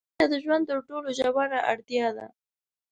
مینه د ژوند تر ټولو ژوره اړتیا ده.